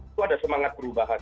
itu ada semangat perubahan